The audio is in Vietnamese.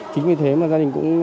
chính vì thế mà gia đình cũng